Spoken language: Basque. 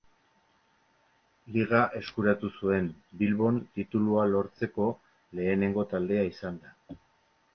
Liga eskuratu zuen, Bilbon titulua lortzeko lehenengo taldea izanda.